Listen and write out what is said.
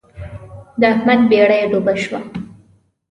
د احمد بېړۍ ډوبه شوه.